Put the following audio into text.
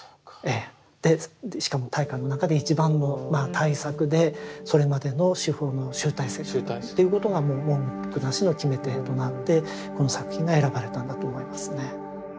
しかも大観の中で一番の大作でそれまでの手法の集大成ということがもう文句なしの決め手となってこの作品が選ばれたんだと思いますね。